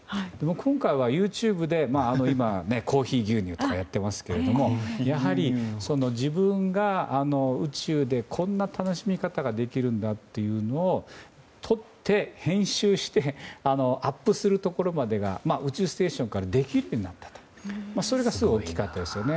今回はＹｏｕＴｕｂｅでコーヒー牛乳とかやってますけどもやはり、自分が宇宙で、こんな楽しみ方ができるんだっていうのを撮って編集してアップするところまでが宇宙ステーションからできるようになったというのがすごく大きかったですね。